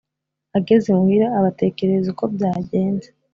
Ageze imuhira abatekerereza uko byagenze,